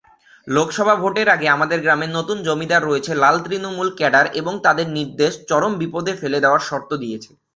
লোকসভা ভোটের আগে, আমাদের গ্রামে নতুন জমিদার রয়েছে ‘লাল তৃণমূল’ ক্যাডার এবং তাদের নির্দেশ চরম বিপদে ফেলে দেওয়ার শর্ত দিয়েছে।